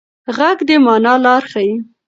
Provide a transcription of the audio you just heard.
غږ د مانا لاره ښيي.